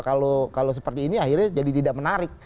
kalau seperti ini akhirnya jadi tidak menarik